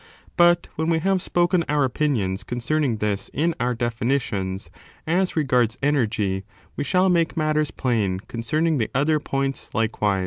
• But when we have spoken our opinions concerning this in our definitions, as regards energy, we shall make matt^^rs plain concerning the other points likewise.